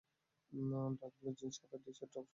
Dark blue jeans, সাদা T-shirt, টপসহ denim shirt.